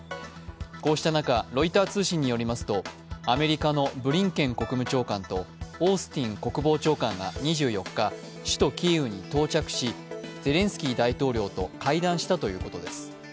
こうした中、ロイター通信によりますと、アメリカのブリンケン国務長官とオースティン国防長官が２４日、首都キーウに到着しゼレンスキー大統領と会談したということです。